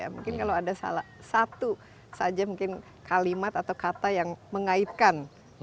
mungkin kalau ada satu saja mungkin kalimat atau kata yang mengaitkan